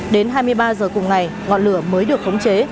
đến hai mươi ba h cùng ngày ngọn lửa mới được khống chế